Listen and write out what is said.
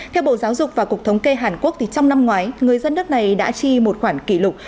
theo bộ giáo dục và cục thống kê hàn quốc trong năm ngoái người dân đất này đã chi một khoản kỷ lục